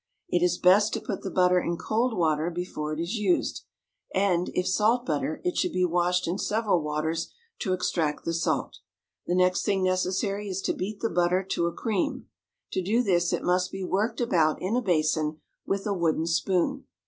It is best to put the butter in cold water before it is used, and, if salt butter, it should be washed in several waters to extract the salt. The next thing necessary is to beat the butter to a cream. To do this it must be worked about in a basin with a wooden spoon.